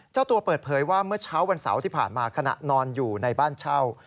เจ้าตัวเปิดเผยว่าเมื่อเช้าวันเสาร์ที่ผ่านมาขณะนอนอยู่ในบ้านเช่า